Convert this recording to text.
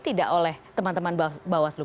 tidak oleh teman teman bawaslu